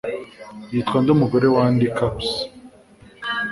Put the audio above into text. yitwa nde Umugore wa Andy Capps